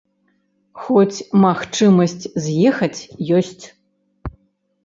Хоць магчымасць з'ехаць ёсць.